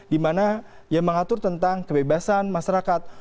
di mana yang mengatur tentang kebebasan masyarakat